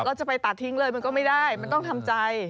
ก็จะไปตัดทิ้งเลยมันก็ไม่ได้มันต้องทำใจ